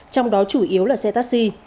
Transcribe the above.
trong đó chủ yếu là xe taxi